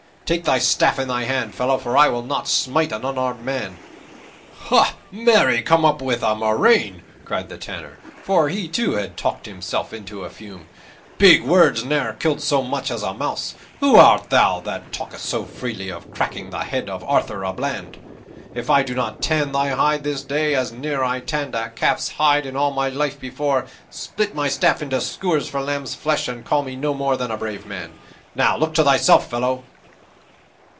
Take thy staff in thy hand, fellow, for I will not smite an unarmed man. "Marry come up with a murrain!" cried the Tanner, for he, too, had talked himself into a fume. "Big words ne'er killed so much as a mouse. Who art thou that talkest so freely of cracking the head of Arthur a Bland? If I do not tan thy hide this day as ne'er I tanned a calf's hide in all my life before, split my staff into skewers for lamb's flesh and call me no more brave man! Now look to thyself, fellow!"